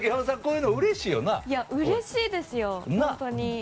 うれしいですよ、本当に。